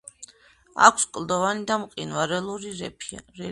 აქვს კლდოვანი და მყინვარული რელიეფი.